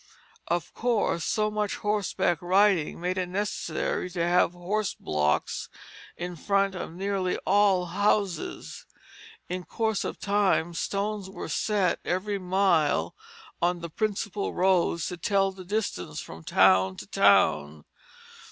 Of course so much horseback riding made it necessary to have horse blocks in front of nearly all houses. In course of time stones were set every mile on the principal roads to tell the distance from town to town.